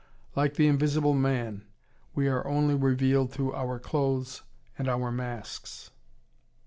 Like the Invisible Man, we are only revealed through our clothes and our masks.